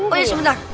oh iya sebentar